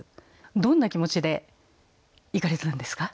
どんな気持ちで行かれたんですか？